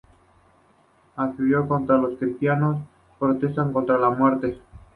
Afirmó que los cristianos "protestan contra la muerte".